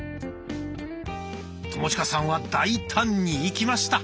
友近さんは大胆にいきました。